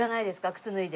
靴脱いで。